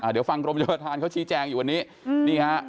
เดี๋ยวฟังกรมยบทางเขาชี้แจงอยู่อันนี้